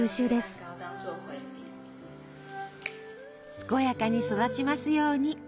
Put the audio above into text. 健やかに育ちますように。